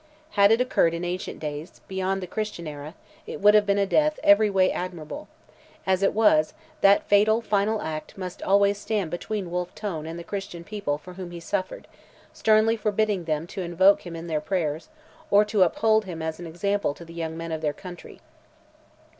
Had it occurred in ancient days, beyond the Christian era, it would have been a death every way admirable; as it was, that fatal final act must always stand between Wolfe Tone and the Christian people for whom he suffered, sternly forbidding them to invoke him in their prayers, or to uphold him as an example to the young men of their country.